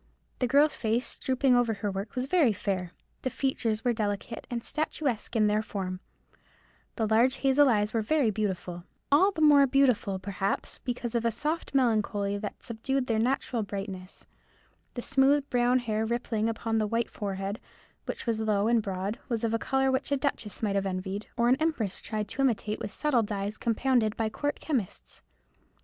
The girl's face, drooping over her work, was very fair. The features were delicate and statuesque in their form; the large hazel eyes were very beautiful—all the more beautiful, perhaps, because of a soft melancholy that subdued their natural brightness; the smooth brown hair rippling upon the white forehead, which was low and broad, was of a colour which a duchess might have envied, or an empress tried to imitate with subtle dyes compounded by court chemists.